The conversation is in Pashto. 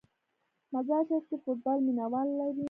مزار شریف کې فوټبال مینه وال لري.